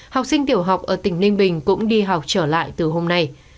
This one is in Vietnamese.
học sinh tiểu học ở tỉnh ninh bình cũng đi học trở lại từ hôm nay